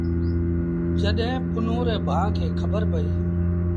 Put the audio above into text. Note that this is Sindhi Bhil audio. جڏهيݩ پنهون ري ڀآن کي پئيٚ۔